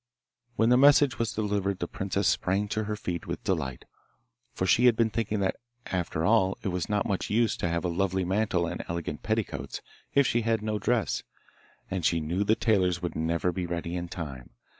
When the message was delivered the princess sprang to her feet with delight, for she had been thinking that after all it was not much use to have a lovely mantle and elegant petticoats if she had no dress, and she knew the tailors would never be ready in time.